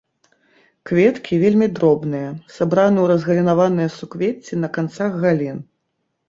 Кветкі вельмі дробныя, сабраны ў разгалінаваныя суквецці на канцах галін.